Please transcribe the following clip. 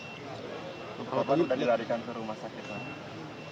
bapak sudah dilarikan ke rumah sakit